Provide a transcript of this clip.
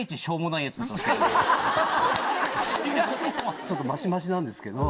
ちょっとマシマシなんですけど。